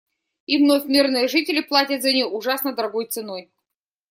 И вновь мирные жители платят за нее ужасно дорогой ценой.